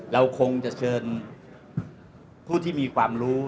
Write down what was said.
เราคงจะเชิญผู้ที่มีความรู้